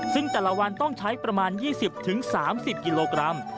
ซึ่งแต่ละวันต้องใช้ประมาณ๒๐๓๐กิโลกรัม